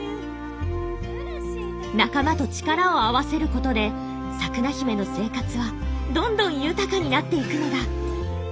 仲間と力を合わせることでサクナヒメの生活はどんどん豊かになっていくのだ。